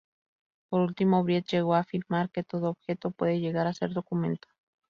Por último, Briet llegó a afirmar que todo objeto puede llegar a ser documento.